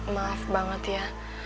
maaf banget ya